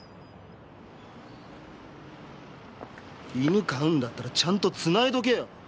犬飼うんだったらちゃんとつないどけよ！